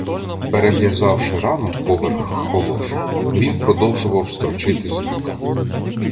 Перев'язавши рану поверх холош, він продовжував строчити з "Люка".